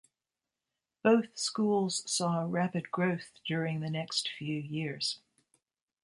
Both schools saw rapid growth during the next few years.